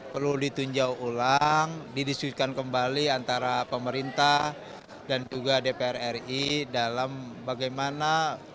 perlu ditinjau ulang didiskusikan kembali antara pemerintah dan juga dpr ri dalam bagaimana